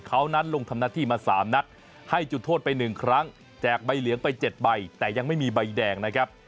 เขานั้นลงทำหน้าที่มา๓นัดให้จุดโทษไป๑ครั้งแจกใบเหลืองไป๗ใบแต่ยังไม่มีใบแดงนะครับ